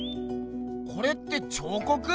これって彫刻？